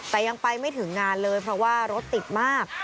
แต่ยังไปไม่ถึงงานเลยเพราะว่ารถติดมาก